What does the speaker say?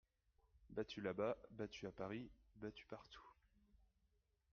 Battu là-bas, battu à Paris, battu partout.